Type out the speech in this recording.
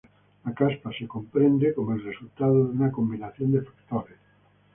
La caspa es comprendida como el resultado de una combinación de factores.